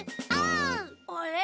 あれ？